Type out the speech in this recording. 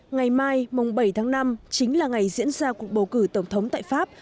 ngày mai bảy tháng năm chính là ngày diễn ra cuộc bầu cử tổng thống tại pháp